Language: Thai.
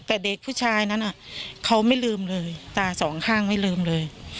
แต่เด็กผู้ชายนั้นเขาไม่ลืมเลยตาสองข้างไม่ลืมเลย